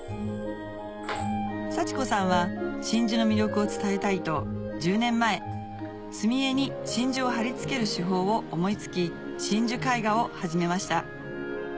幸子さんは真珠の魅力を伝えたいと１０年前墨絵に真珠を貼り付ける手法を思い付き真珠絵画を始めました